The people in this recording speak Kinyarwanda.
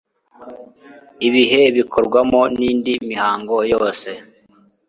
ibihe bikorwamo n indi mihango yose